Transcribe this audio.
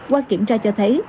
qua kiểm tra cho thấy